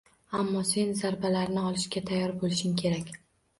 Ammo sen zarbalarni olishga tayyor bo’lishing kerak.